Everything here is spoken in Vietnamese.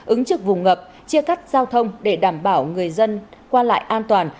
ứng trực vùng ngập chia cắt giao thông để đảm bảo người dân qua lại an toàn